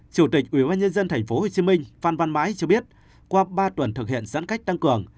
chủ tịch ubnd tp hcm phan văn mãi cho biết qua ba tuần thực hiện giãn cách tăng cường